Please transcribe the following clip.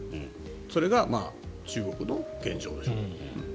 それが中国の現状でしょうね。